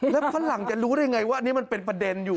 แล้วฝรั่งจะรู้ได้อย่างไรว่านี่มันเป็นประเด็นอยู่